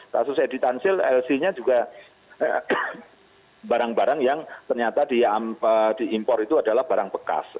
kasus edi tansil lc nya juga barang barang yang ternyata diimpor itu adalah barang bekas